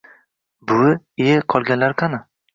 Buvi: iye kolganlar kani